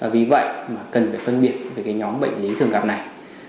vì vậy mà cần phải phân biệt với cái nhóm bệnh lý thường gặp này